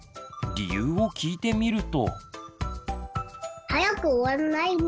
理由を聞いてみると。